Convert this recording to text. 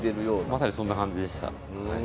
まさにそんな感じでした。